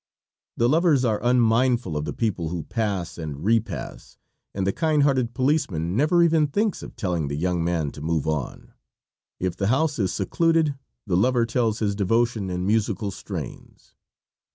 The lovers are unmindful of the people who pass and repass, and the kind hearted policeman never even thinks of telling the young man to "move on." If the house is secluded the lover tells his devotion in musical strains.